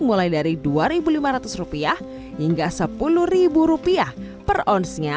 mulai dari dua lima ratus rupiah hingga sepuluh rupiah per oznya